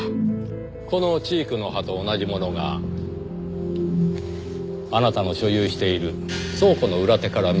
このチークの葉と同じものがあなたの所有している倉庫の裏手から見つかっています。